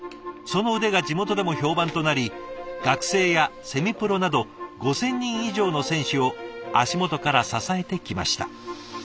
その腕が地元でも評判となり学生やセミプロなど５，０００人以上の選手を足元から支えてきました。